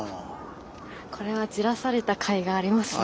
これはじらされたかいがありますね。